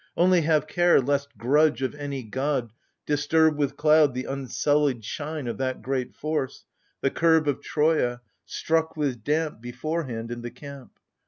Only, have care lest gmdge of any god disturb With cloud the unsullied shine of that great force, the curb Of Troia, struck with damp Beforehand in the camp